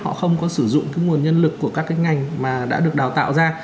họ không có sử dụng cái nguồn nhân lực của các cái ngành mà đã được đào tạo ra